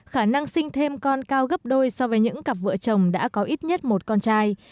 khả năng sinh thêm con cao gấp đôi so với những cặp vợ chồng đã có ít nhất một con trai